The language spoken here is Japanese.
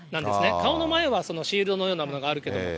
顔の前はシールドのようなものがあるけれども。